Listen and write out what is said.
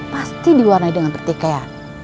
pasti diwarnai dengan pertikaian